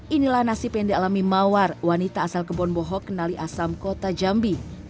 inilah nasib yang dialami mawar wanita asal kebonboho kenali asam kota jambi